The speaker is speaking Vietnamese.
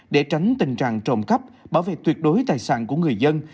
để tránh tình trạng trộm cắp bảo vệ tuyệt đối tài sản của người dân